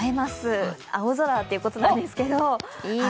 青空ということなんですけど。